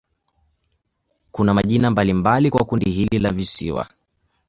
Kuna majina mbalimbali kwa kundi hili la visiwa.